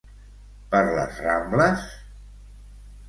Per les Rambles?